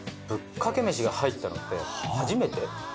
ぶっかけ飯が入ったのって初めて？